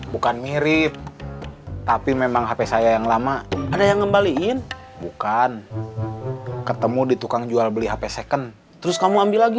bukan mirip tapi memang hp saya yang lama ada yang ngembaliin bukan ketemu di tukang jual beli hp second terus kamu ambil lagi